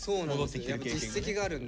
実績があるんで。